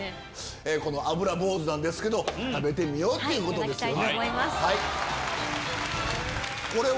このアブラボウズなんですけど食べてみようっていうことですね。